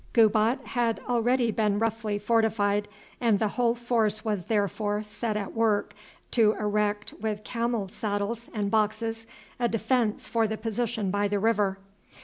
Gubat had already been roughly fortified, and the whole force was therefore set at work to erect with camel saddles and boxes a defence for the position by the river.